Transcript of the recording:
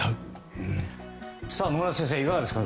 野村先生、いかがですか？